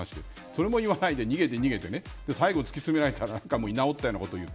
それも言わないで逃げて逃げて最後、突き詰められたら居直ったようなことを言う。